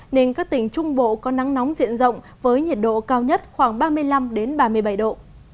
nên các tỉnh trung bộ có nắng nóng diện rộng với nhiệt độ cao nhất khoảng ba mươi năm ba mươi bảy độ